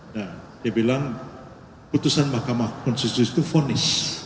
nah dia bilang putusan mahkamah konstitusi itu fonis